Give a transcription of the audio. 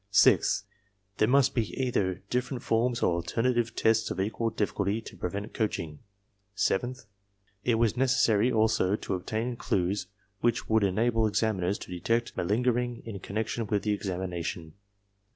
Sixth, there must be either different forms or alternative tests of equal difficulty to prevent coaching. Seventh, it was neces sary also to obtain clues which would enable examiners to detect malingering in connection with the examination.